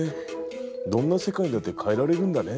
どんな世界だって変えられるんだね。